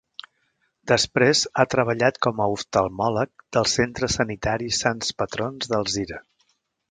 Després ha treballat com a oftalmòleg del Centre Sanitari Sants Patrons d'Alzira.